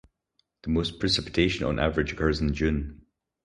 The most precipitation on average occurs in June.